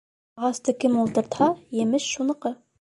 Ағасты кем ултыртһа емеш шуныҡы.